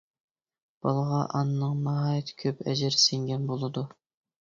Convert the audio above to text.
بالىغا ئانىنىڭ ناھايىتى كۆپ ئەجرى سىڭگەن بولىدۇ.